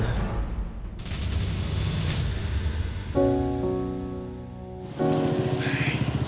kecelakaan di waktu itu